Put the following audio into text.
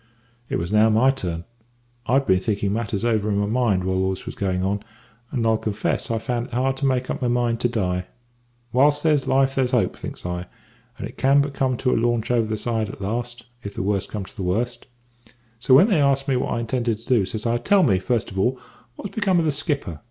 "It was now my turn. I'd been thinking matters over in my mind whilst all this was going on; and I'll confess I found it hard to make up my mind to die. `Whilst there's life there's hope,' thinks I; `and it can but come to a launch over the side at last, if the worst comes to the worst;' so when they asked me what I intended to do, says I. `Tell me, first of all, what's become of the skipper?'